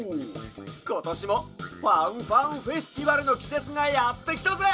ことしもファンファンフェスティバルのきせつがやってきたぜ！